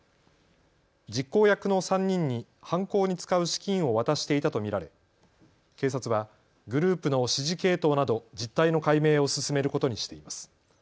実行役の３人に犯行に使う資金を渡していたと見られ、警察はグループの指示系統など実態の解明を進めることにしています。